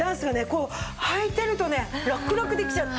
こうはいてるとねラクラクできちゃって。